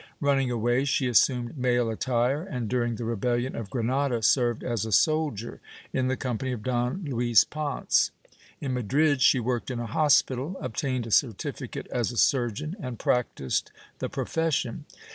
Run ning away, she assumed male attire and, during the rebellion of Granada served as a soldier in the company of Don Luis Ponce. In Madrid she worked in a hospital, obtained a certificate as a surgeon and practised the profession.